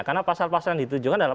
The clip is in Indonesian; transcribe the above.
karena pasal pasal yang ditujukan adalah